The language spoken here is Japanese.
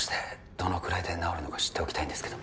どのくらいで治るのか知っておきたいんですけど